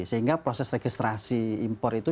sehingga proses registrasi impor itu